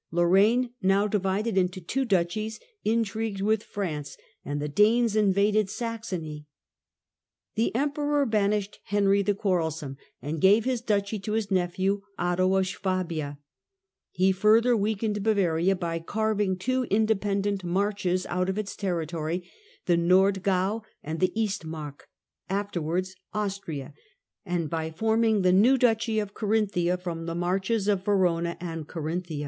Lorraine, now divided into two duchies, in trigued with France, and the Danes invaded Saxony. The Emperor banished Henry the Quarrelsome, and gave his duchy to his own nephew, Otto of Swabia. He further weakened Bavaria by carving two independent marches out of its territory, the Nordyau and the East Mark, afterwards Austria, and by forming the new duchy of Carinthia from the marches of Verona and Carinthia.